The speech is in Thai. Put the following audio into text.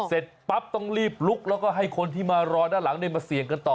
เสร็จปั๊บต้องรีบลุกแล้วก็ให้คนที่มารอด้านหลังมาเสี่ยงกันต่อ